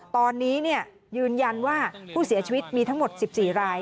ตอนนี้ยืนยันว่าผู้เสียชีวิตมีทั้งหมด๑๔ราย